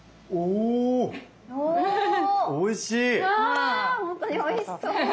うわほんとにおいしそう！